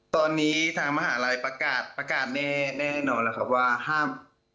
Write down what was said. ตอนนี้ทางมหาลัยประกาศแน่นอนแล้วครับว่าห้าม